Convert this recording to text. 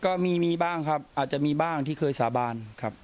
ก็มีมีบ้างครับอาจจะมีบ้างที่เคยสาบานครับ